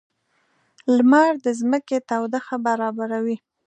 • لمر د ځمکې تودوخه برابروي.